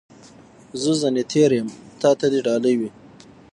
زه ځني تېر یم ، تا ته دي ډالۍ وي .